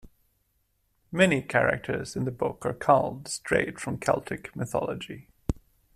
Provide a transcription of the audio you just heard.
Many characters in the book are culled straight from Celtic mythology.